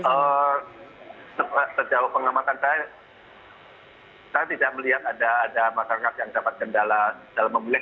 sejauh pengalaman saya saya tidak melihat ada masalah